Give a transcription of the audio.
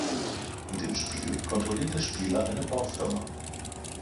In dem Spiel kontrolliert der Spieler eine Baufirma.